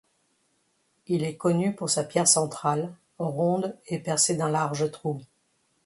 Il est connu pour sa pierre centrale, ronde et percée d'un large trou.